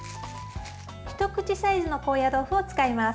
一口サイズの高野豆腐を使います。